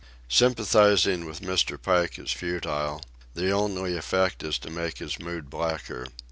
Sympathizing with Mr. Pike is futile; the only effect is to make his mood blacker.